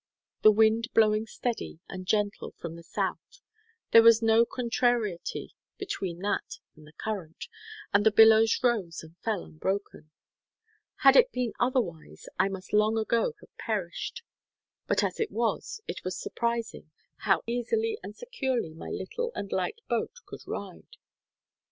The wind blowing steady and gentle from the south, there was no contrariety between that and the current, and the billows rose and fell unbroken. Had it been otherwise, I must long ago have perished; but as it was, it is surprising how easily and securely my little and light boat could ride.